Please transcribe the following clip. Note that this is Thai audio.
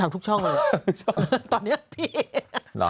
ทุกช่องเลยตอนนี้พี่เหรอ